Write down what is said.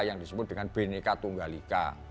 yang disebut dengan bineka tunggal ika